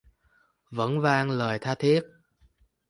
Vẫn vang lời tha thiết